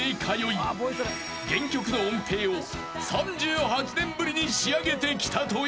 ［原曲の音程を３８年ぶりに仕上げてきたという］